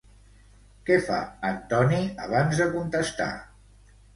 Què fa Antoni abans de contestar?